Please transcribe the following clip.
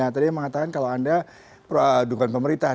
tadi yang mengatakan kalau anda dukun pemerintah